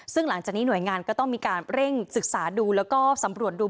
ซึ่งหลังจากนี้หน่วยงานก็ต้องมีการเร่งศึกษาดูแล้วก็สำรวจดู